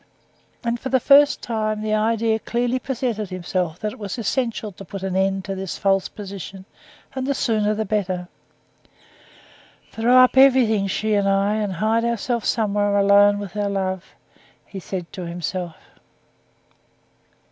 And for the first time the idea clearly presented itself that it was essential to put an end to this false position, and the sooner the better. "Throw up everything, she and I, and hide ourselves somewhere alone with our love," he said to himself.